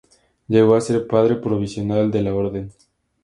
Llegó a ser Padre Provincial de la Orden.